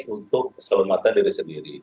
untuk keselamatan diri sendiri